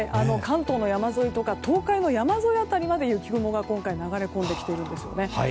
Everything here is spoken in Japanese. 関東の山沿いとか東海の山沿い辺りまで雪雲が流れ込んでいるんです。